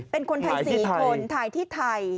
เป็นคนไทย๔คนถ่ายที่ไทย